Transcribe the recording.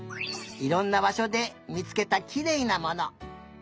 いろんなばしょでみつけたきれいなもの。